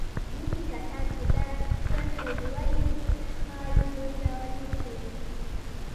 ځينې کسان چې دا کرښې لولي ښايي بل ډول فکر وکړي.